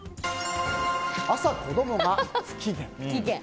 朝、子供が不機嫌。